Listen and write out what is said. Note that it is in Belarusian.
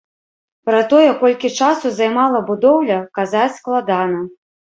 Пра тое, колькі часу займала будоўля, казаць складана.